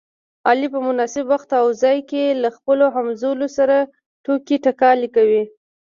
علي په مناسب وخت او ځای کې له خپلو همځولو سره ټوکې ټکالې کوي.